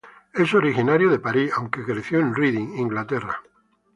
Es originario de París, aunque creció en Reading, Inglaterra.